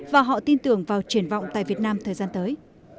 và họ tin tưởng vào triển vọng tại việt nam thời gian tới